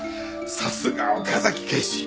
さすが岡崎警視！